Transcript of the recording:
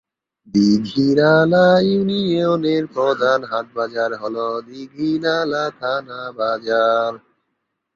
দীঘিনালা ইউনিয়নের প্রধান হাট-বাজার হল দীঘিনালা থানা বাজার।